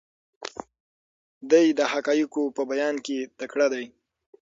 دی د حقایقو په بیان کې تکړه دی.